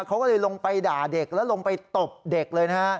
เขาก็เลยลงไปด่าเด็กแล้วลงไปตบเด็กเลยนะฮะ